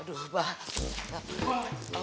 aduh telur sih ngorok aja tidurnya